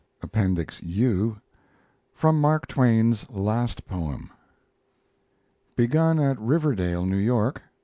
APPENDIX U FROM MARK TWAIN'S LAST POEM BEGUN AT RIVERDALE, NEW YORK.